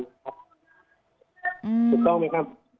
ถูกต้องไหมครับ